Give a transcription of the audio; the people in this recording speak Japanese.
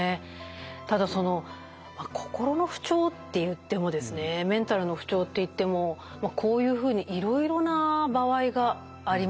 ただその心の不調っていってもですねメンタルの不調っていってもこういうふうにいろいろな場合がありますよね。